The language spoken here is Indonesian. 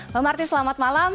pak martin selamat malam